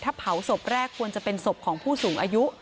ถ้าเผาศพแรกควรจะเป็นศพของผู้สูงอายุ